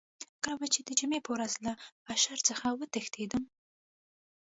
کله به چې د جمعې په ورځ له اشر څخه وتښتېدم.